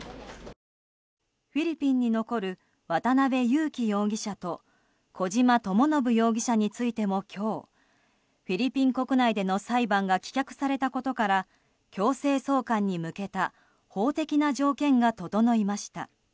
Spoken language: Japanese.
フィリピンに残る渡邉優樹容疑者と小島智信容疑者についても今日フィリピン国内での裁判が棄却されたことから強制送還に向けた法的な条件が整いました。